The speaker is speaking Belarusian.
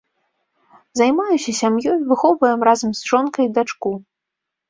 Займаюся сям'ёй, выхоўваем разам з жонкай дачку.